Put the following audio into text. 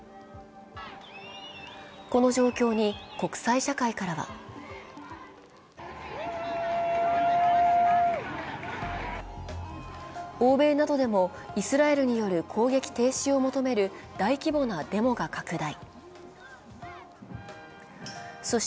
この状況に国際社会からは欧米などでもイスラエルによる攻撃停止を求める大規模なデモが拡大。